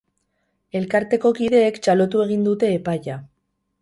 Elkarteko kideek txalotu egin dute epaia.